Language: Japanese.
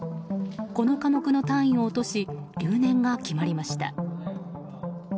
この科目の単位を落とし留年が決まりました。